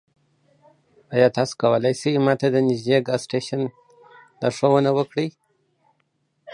ایا تاسو کولی شئ ما ته نږدې د ګاز سټیشن ته لارښوونه وکړئ؟